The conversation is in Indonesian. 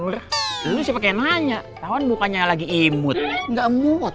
lalu siapa kaya nanya tahun bukannya lagi imut enggak mut